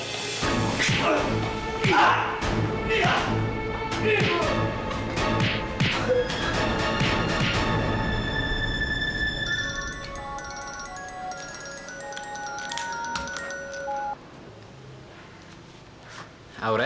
terus kurung dia